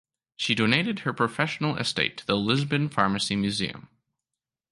She donated her professional estate to the Lisbon Pharmacy Museum.